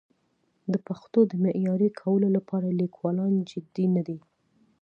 د پښتو د معیاري کولو لپاره لیکوالان جدي نه دي.